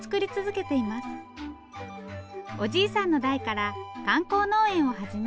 おじいさんの代から観光農園を始め